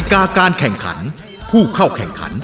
การแข่งขันผู้เข้าแข่งขัน